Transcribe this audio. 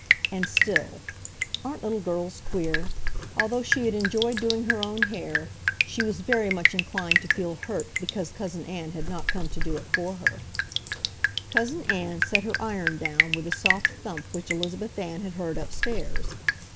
And still—aren't little girls queer?—although she had enjoyed doing her own hair, she was very much inclined to feel hurt because Cousin Ann had not come to do it for her. [Illustration: She had greatly enjoyed doing her own hair.] Cousin Ann set her iron down with the soft thump which Elizabeth Ann had heard upstairs.